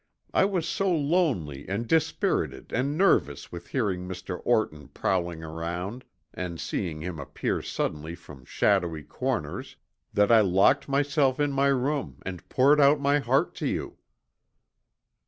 I was so lonely and dispirited and nervous with hearing Mr. Orton prowling around and seeing him appear suddenly from shadowy corners that I locked myself in my room and poured out my heart to you."